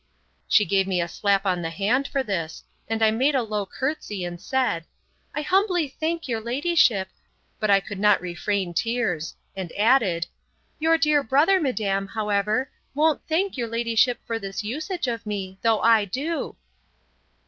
She gave me a slap on the hand for this; and I made a low courtesy, and said, I humbly thank your ladyship! but I could not refrain tears: And added, Your dear brother, madam, however, won't thank your ladyship for this usage of me, though I do.